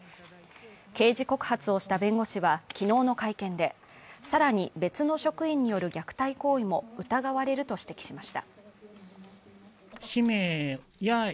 刑事告発をした弁護士は昨日の会見で、更に別の職員による虐待行為も疑われると指摘しました。